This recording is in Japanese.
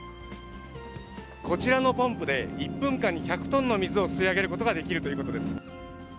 こちらのポンプで、１分間に１００トンの水を吸い上げることができるということです。